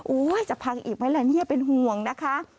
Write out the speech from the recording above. จะพังอีกไหมล่ะเนี่ยเป็นห่วงนะคะ